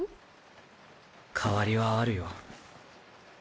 変わりはあるよ。